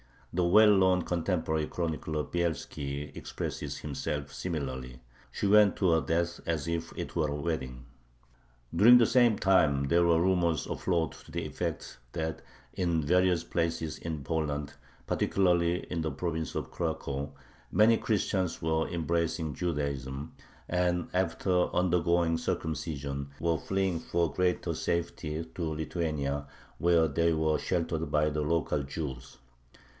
The well known contemporary chronicler Bielski expresses himself similarly: "She went to her death as if it were a wedding." During the same time there were rumors afloat to the effect that in various places in Poland, particularly in the province of Cracow, many Christians were embracing Judaism, and, after undergoing circumcision, were fleeing for greater safety to Lithuania, where they were sheltered by the local Jews.